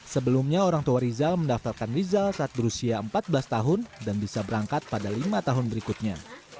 sebelumnya orang tua rizal mendaftarkan rizal saat berusia empat belas tahun dan bisa berangkat pada lima tahun berikutnya